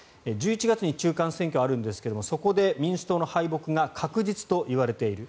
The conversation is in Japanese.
１１月に中間選挙があるんですがそこで民主党の敗北が確実といわれている。